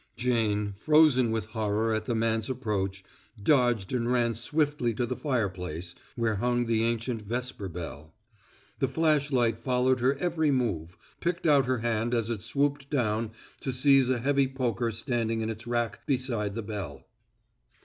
Jane, frozen with horror at the man's approach, dodged and ran swiftly to the fireplace, where hung the ancient vesper bell. The flash light followed her every move picked out her hand as it swooped down to seize a heavy poker standing in its rack beside the bell.